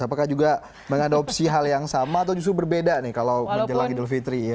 apakah juga mengadopsi hal yang sama atau justru berbeda nih kalau menjelang idul fitri ya